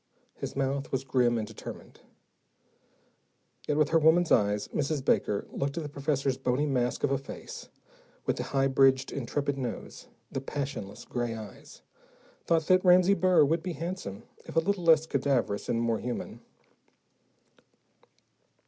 His mouth was grim and determined. Yet, with her woman's eyes, Mrs. Baker, looking at the professor's bony mask of a face, with the high bridged, intrepid nose, the passionless gray eyes, thought that Ramsey Burr would be handsome, if a little less cadaverous and more human.